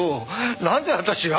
なんで私が？